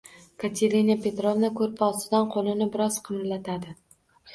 Katerina Petrovna koʻrpa ostidan qoʻlini biroz qimirlatadi.